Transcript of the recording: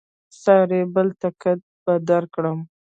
ساري بل ټکټ به درکړم.